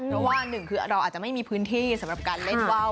เพราะว่าหนึ่งคือเราอาจจะไม่มีพื้นที่สำหรับการเล่นว่าว